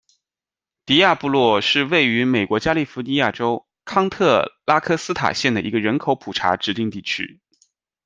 迪亚布洛是位于美国加利福尼亚州康特拉科斯塔县的一个人口普查指定地区。